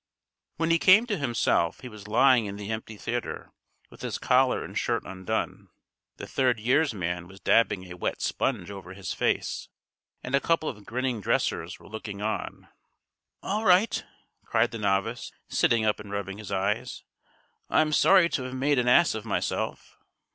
When he came to himself, he was lying in the empty theatre, with his collar and shirt undone. The third year's man was dabbing a wet sponge over his face, and a couple of grinning dressers were looking on. "All right," cried the novice, sitting up and rubbing his eyes. "I'm sorry to have made an ass of myself."